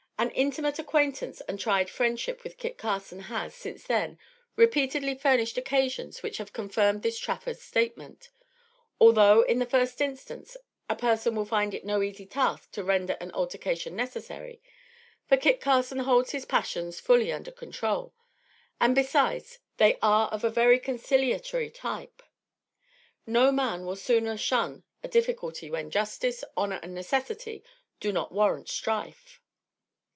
An intimate acquaintance and tried friendship with Kit Carson has, since then, repeatedly furnished occasions which have confirmed this trapper's statement; although, in the first instance, a person will find it no easy task to render an altercation necessary, for Kit Carson holds his passions fully under control; and, besides, they are of a very conciliatory type. No man will sooner shun a difficulty when justice, honor and necessity do not warrant strife.